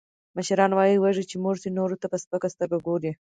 مشران وایي، وږی چې موړ شي، نورو ته په سپکه سترگه گوري.